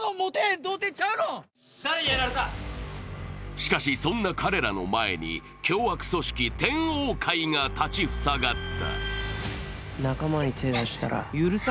しかし、そんな彼らの前に凶悪組織・天王会が立ち塞がった。